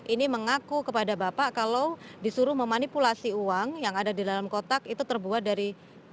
ini mengaku kepada bapak kalau disuruh memanipulasi uang yang ada di dalam kotak itu terbuat dari